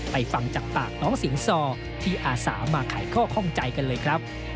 ฟังจากปากน้องสิงซอที่อาสามาไขข้อข้องใจกันเลยครับ